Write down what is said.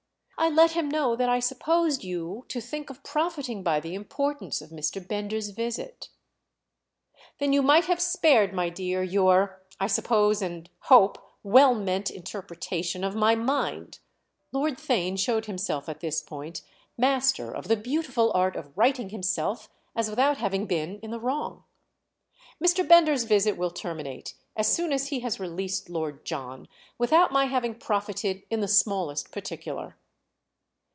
"I let him know that I supposed you to think of profiting by the importance of Mr. Bender's visit." "Then you might have spared, my dear, your—I suppose and hope well meant—interpretation of my mind." Lord Theign showed himself at this point master of the beautiful art of righting himself as without having been in the wrong. "Mr. Bender's visit will terminate—as soon as he has released Lord John—without my having profited in the smallest particular."